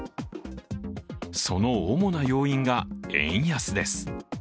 その主な要因が円安です。